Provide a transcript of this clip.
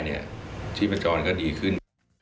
ชีวิตประจก็ดีขึ้น